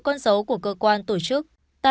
con dấu của cơ quan tổ chức